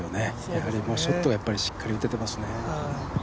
やはりショットがしっかり打ててますね。